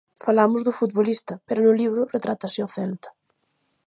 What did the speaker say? Falamos do futbolista, pero no libro retrátase ao Celta.